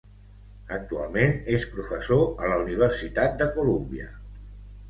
Actualment és professor a la Universitat de Colúmbia.